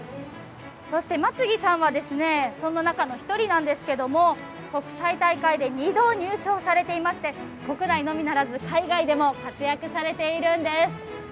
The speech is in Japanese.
松木さんはそんな中の１人なんですけど国際大会で２度入賞されてまして国内のみならず、海外でも活躍されているんです。